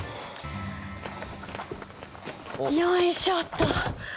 よいしょっと！